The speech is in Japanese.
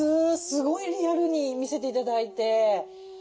すごいリアルに見せて頂いて。